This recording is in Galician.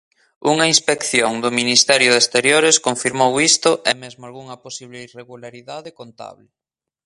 Unha inspección do Ministerio de Exteriores confirmou isto e mesmo algunha posible irregularidade contable.